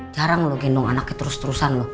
jarang lo gendong anaknya terus terusan loh